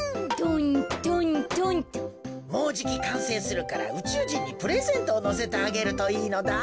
もうじきかんせいするからうちゅうじんにプレゼントをのせてあげるといいのだ。